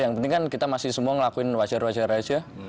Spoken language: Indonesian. yang penting kan kita masih semua ngelakuin wajar wajar aja